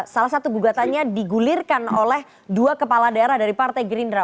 salah satu gugatannya digulirkan oleh dua kepala daerah dari partai gerindra